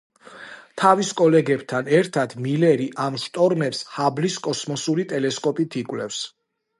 თავის კოლეგებთან ერთად, მილერი ამ შტორმებს ჰაბლის კოსმოსური ტელესკოპით იკვლევს.